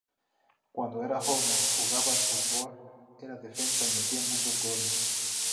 Cuando era joven jugaba al fútbol, era defensa y metía muchos goles.